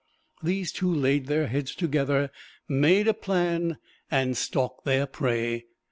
These two laid their heads together, made a plan and stalked their prey.